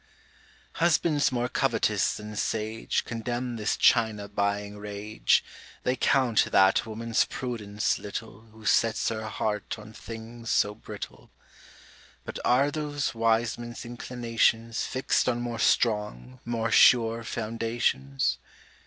Husbands more covetous than sage Condemn this China buying rage; They count that woman's prudence little, Who sets her heart on things so brittle. But are those wise men's inclinations Fixt on more strong, more sure foundations?